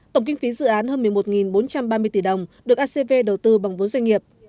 tổng kinh phí dự án hơn một mươi một bốn trăm ba mươi tỷ đồng được acv đầu tư bằng vốn doanh nghiệp